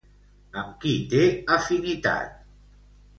Amb qui té afinitat?